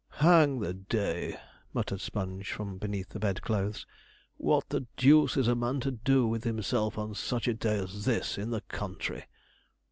'Hang the day!' muttered Sponge from beneath the bedclothes. 'What the deuce is a man to do with himself on such a day as this, in the country?'